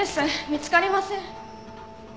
見つかりません。